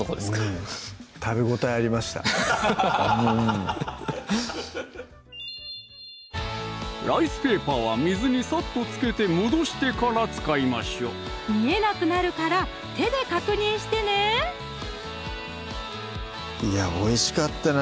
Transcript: うん食べ応えありましたライスペーパーは水にさっとつけて戻してから使いましょう見えなくなるから手で確認してねおいしかったな